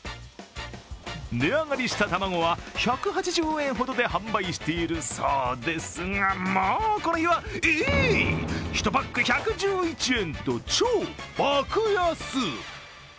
値上がりした卵は１８０円ほどで販売しているそうですがこの日はえいっ、１パック１１１円と超爆安。